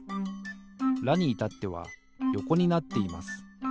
「ラ」にいたってはよこになっています。